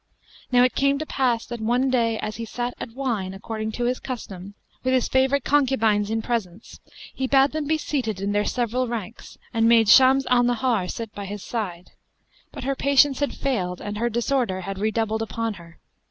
Now it came to pass that one day, as he sat at wine according to his custom, with his favourite concubines in presence, he bade them be seated in their several ranks and made Shams al Nahar sit by his side. But her patience had failed and her disorder had redoubled upon her.